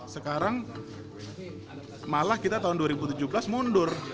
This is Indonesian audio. sekarang malah kita tahun dua ribu tujuh belas mundur